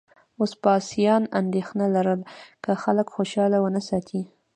وسپاسیان اندېښنه لرله که خلک خوشاله ونه ساتي